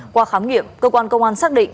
qua khám nghiệm cơ quan công an xác định